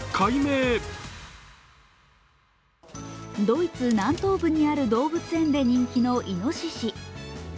ドイツ南東部にある動物園で人気のいのしし。